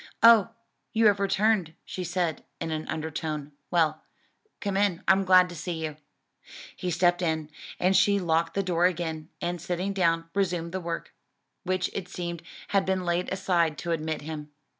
"Oh, you have returned," she said in an undertone; "well, come in. I'm glad to see you." He stepped in, and she locked the door again, and sitting down, resumed the work, which it seemed had been laid aside to admit him.